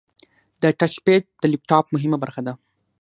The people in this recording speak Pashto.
د ټچ پیډ د لپټاپ مهمه برخه ده.